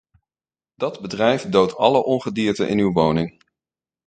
Dat bedrijf doodt alle ongedierte in uw woning.